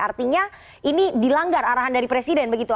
artinya ini dilanggar arahan dari presiden begitu